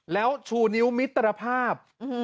แล้วชูนิ้วมิตรภาพ